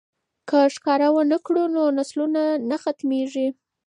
که ښکار ونه کړو نو نسلونه نه ختمیږي.